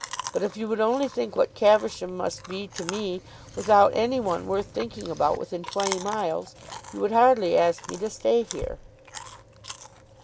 But if you would only think what Caversham must be to me, without any one worth thinking about within twenty miles, you would hardly ask me to stay here.